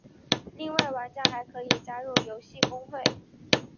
另外玩家还可以加入游戏公会。